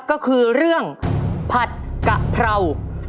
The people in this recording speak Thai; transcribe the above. ก็คือเรื่องผัดกะเพรา